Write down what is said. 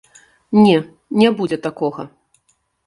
Не, не будзе такога.